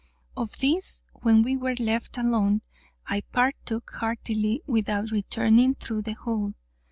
Of this, when we were left alone, I partook heartily, without returning through the hole.